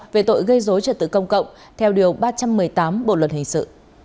về tội gây dối trật tự công cộng theo điều ba trăm một mươi tám bộ luật hình sự